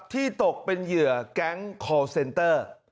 ที่ตกเป็นเหยื่อแกงคอลเซ็นเตอร์